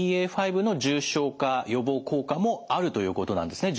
ＢＡ．５の重症化予防効果もあるということなんですね。